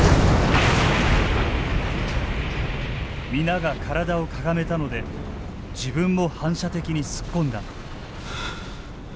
皆が体をかがめたので自分も反射的にすっ込んだ。